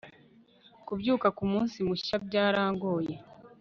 kubyuka kumunsi mushya byarangoye